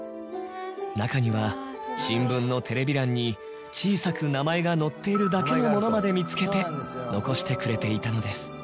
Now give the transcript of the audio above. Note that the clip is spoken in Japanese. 中には新聞のテレビ欄に小さく名前が載っているだけのものまで見つけて残してくれていたのです。